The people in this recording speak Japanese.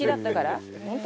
本当？